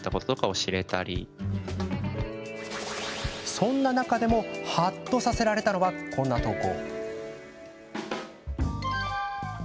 そんな中でもはっとさせられたのはこんな投稿。